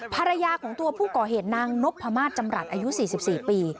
ภรรยาของตัวผู้ก่อเหตุนางนพมาศจำรัฐอายุ๔๔ปี